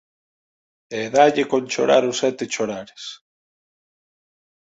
E dalle con chorar os sete chorares